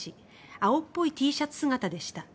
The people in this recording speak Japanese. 青っぽいＴシャツ姿でした。